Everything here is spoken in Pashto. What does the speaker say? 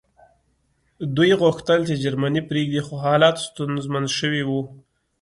دوی غوښتل چې جرمني پرېږدي خو حالات ستونزمن شوي وو